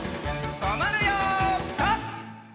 とまるよピタ！